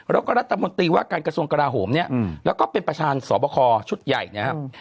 แล้วก็รัฐมนตรีว่าการกระทรวงกราโหมเนี่ยแล้วก็เป็นประธานสอบคอชุดใหญ่นะครับ